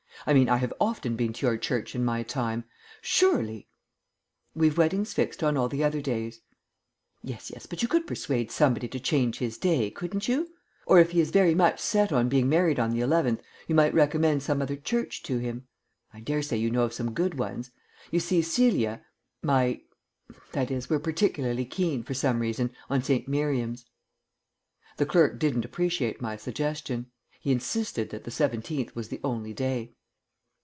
"I mean, I have often been to your church in my time. Surely " "We've weddings fixed on all the other days." "Yes, yes, but you could persuade somebody to change his day, couldn't you? Or if he is very much set on being married on the eleventh you might recommend some other church to him. I daresay you know of some good ones. You see, Celia my that is, we're particularly keen, for some reason, on St. Miriam's." The clerk didn't appreciate my suggestion. He insisted that the seventeenth was the only day.